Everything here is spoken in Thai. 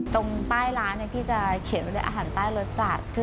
ตรงป้ายร้านพี่จะเขียนไว้อาหารป้ายรสสัตว์